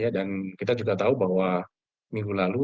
dan kita juga tahu bahwa minggu lalu